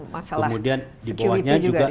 masalah security juga di situ kemudian di bawahnya juga